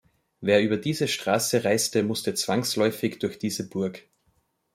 Wer über diese Straße reiste, musste zwangsläufig durch diese Burg.